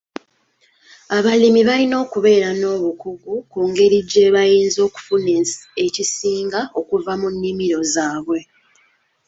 Abalimi balina okubeera n'obukugu ku ngeri gye bayinza okufuna ekisinga okuva mu nnimiro zaabwe.